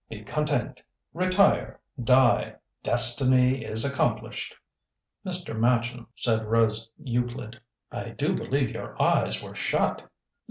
Be content. Retire! Die! Destiny is accomplished!" "Mr. Machin," said Rose Euclid, "I do believe your eyes were shut!"